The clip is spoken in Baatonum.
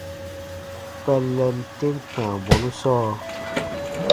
Kpɛllɛn tem kãa bɔnu sɔɔ.